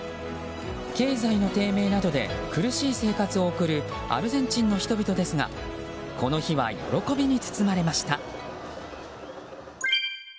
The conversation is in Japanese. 経済の低迷などで苦しい生活を送るアルゼンチンの人々ですがこの日は喜びに包まれました。